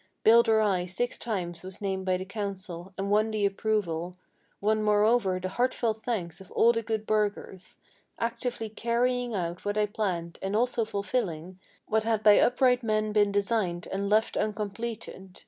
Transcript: Builder I six times was named by the council, and won the approval, Won moreover the heartfelt thanks of all the good burghers, Actively carrying out what I planned, and also fulfilling What had by upright men been designed, and left uncompleted.